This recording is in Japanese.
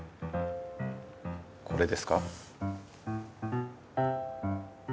これですか？